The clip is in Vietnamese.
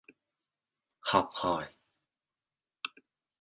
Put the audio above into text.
học hỏi